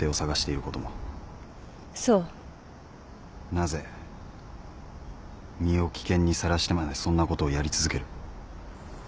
なぜ身を危険にさらしてまでそんなことをやり続ける？